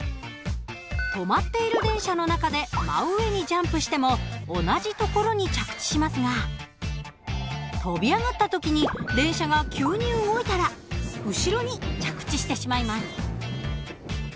止まっている電車の中で真上にジャンプしても同じ所に着地しますが跳び上がった時に電車が急に動いたら後ろに着地してしまいます。